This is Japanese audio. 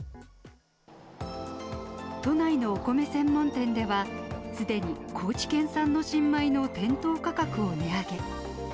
都内のお米専門店では、すでに高知県産の新米の店頭価格を値上げ。